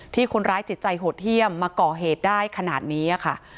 ที่คนร้ายจิตใจโหดเยี่ยมมาก่อเหตุได้ขนาดนี้ค่ะ